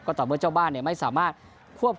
ก็ต่อเมื่อเจ้าบ้านเนี่ยไม่สามารถควบคุมสถานการณ์ได้